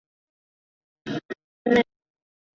乐谱手稿现存于波兰克拉科夫内。